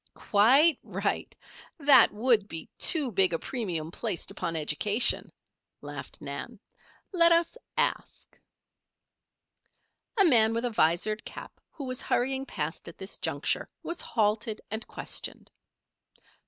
"Quite right. That would be too big a premium placed upon education," laughed Nan. "Let us ask." A man with a visored cap who was hurrying past at this juncture, was halted and questioned.